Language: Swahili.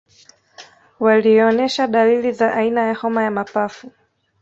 Walioonesha dalili za aina ya homa ya mapafu